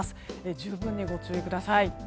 十分にご注意ください。